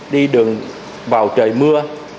đi đường vào trời mưa